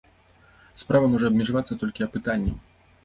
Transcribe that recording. Справа можа абмежавацца толькі апытаннем.